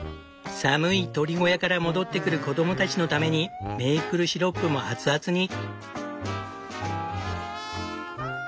寒い鶏小屋から戻ってくる子供たちのためにメープルシロップも熱々に。